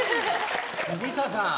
ＬＩＳＡさん？